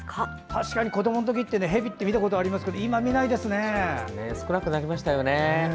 確かに子どもの時ってヘビって見たことありますけど少なくなりましたよね。